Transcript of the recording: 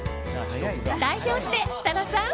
代表して、設楽さん！